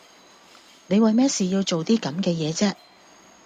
你為咩事要做啲咁嘅嘢啫